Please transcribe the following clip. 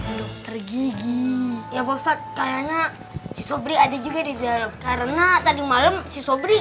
dokter gigi ya bostad kayaknya sobri ada juga di dalam karena tadi malam si sobri